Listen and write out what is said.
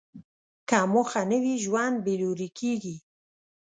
که موخه نه وي، ژوند بېلوري کېږي.